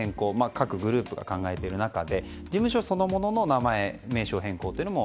各グループが考えている中で事務所そのものの名称変更も